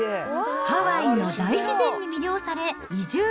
ハワイの大自然に魅了され、移住。